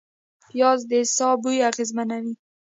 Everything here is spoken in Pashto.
پیاز د ساه بوی اغېزمنوي